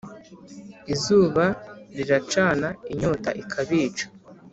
izuba riracana inyota ikabica